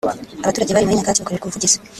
Abaturage bari muri Nyakatsi bakorerwa ubuvugizi